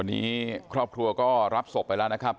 วันนี้ครอบครัวก็รับศพไปแล้วนะครับ